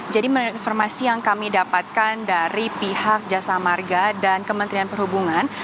jadi menurut informasi yang kami dapatkan dari pihak jasa marga dan kementerian perhubungan